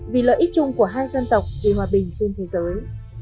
vì lợi ích chung của hai dân tộc vì hòa bình trên thế giới